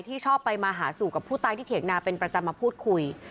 ชอบไปมาหาสู่กับผู้ตายที่เถียงนาเป็นประจำมาพูดคุย